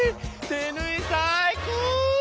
手ぬい最高！